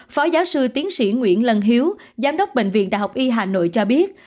phó giáo sư tiến sĩ nguyễn lân hiếu giám đốc bệnh viện đại học y hà nội cho biết